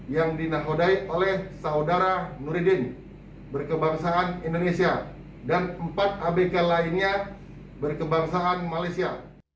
yang dinakodai oleh saudara nuridin berkebangsaan indonesia dan empat abk lainnya berkebangsaan malaysia